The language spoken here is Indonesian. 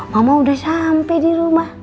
mama udah sampai di rumah